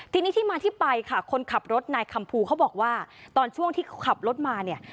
ทีนี้ที่มาที่ไปค่ะคนขับรถนายคำภูเขาบอกว่าตอนช่วงที่ขับรถมาเนี่ย